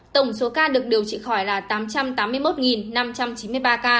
tổng số ca được điều trị khỏi là tám trăm tám mươi một năm trăm chín mươi ba ca